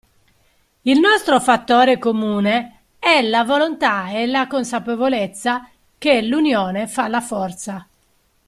Il nostro fattore comune è la volontà e la consapevolezza che l'unione fa la forza.